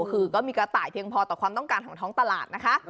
คือก็มีกระต่ายเพียงพอต่อความต้องการของท้องตลาดนะคะ